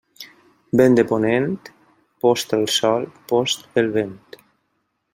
Vent de ponent: post el sol, post el vent.